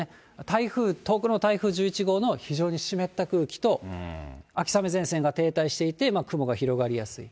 台風、遠くの台風１１号の非常に湿った空気と、秋雨前線が停滞していて雲が広がりやすい。